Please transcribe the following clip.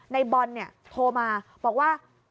ในบอลเนี่ยโทรมาบอกว่า